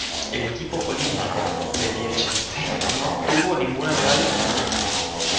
El equipo olímpico de Liechtenstein no obtuvo ninguna medalla en estos Juegos.